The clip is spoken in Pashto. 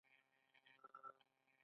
د غږ د ناستې لپاره ګرمې شیدې او هګۍ وخورئ